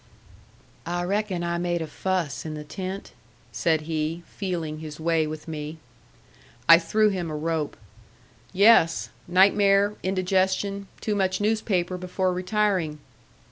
"I reckon I made a fuss in the tent?" said he, feeling his way with me. I threw him a rope. "Yes. Nightmare indigestion too much newspaper before retiring."